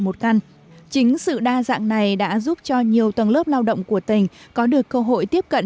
một căn chính sự đa dạng này đã giúp cho nhiều tầng lớp lao động của tỉnh có được cơ hội tiếp cận